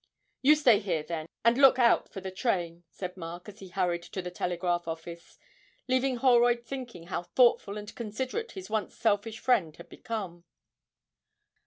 'You stay here then, and look out for the train,' said Mark, as he hurried to the telegraph office, leaving Holroyd thinking how thoughtful and considerate his once selfish friend had become.